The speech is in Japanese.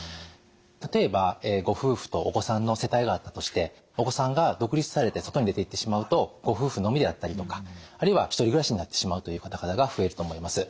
例えばご夫婦とお子さんの世帯があったとしてお子さんが独立されて外に出ていってしまうとご夫婦のみであったりとかあるいは１人暮らしになってしまうという方々が増えると思います。